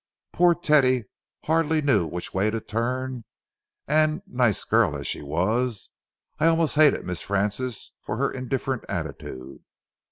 Poor Teddy hardly knew which way to turn, and, nice girl as she was, I almost hated Miss Frances for her indifferent attitude.